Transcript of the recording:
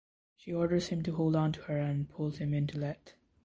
She orders him to hold onto her and pulls him into Lethe.